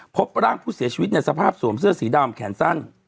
พบร่างผู้เสียชีวิตในสภาพสวมเสื้อสีดำแขนสั้น